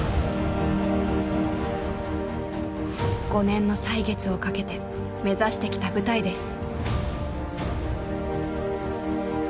５年の歳月をかけて目指してきた舞台です。